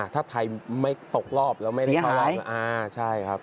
ถ้าไทยไม่ตกรอบแล้วไม่ได้มาใช่ครับ